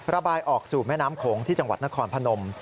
ระบายออกสู่แม่น้ำโขงที่จังหวัดนครพนม